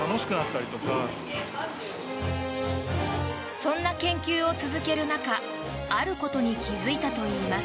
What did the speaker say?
そんな研究を続ける中あることに気付いたといいます。